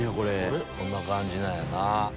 こんな感じなんやな。